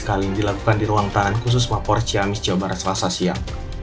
kali ini dilakukan di ruang tahanan khusus mapor ciamis jawa barat selasa siang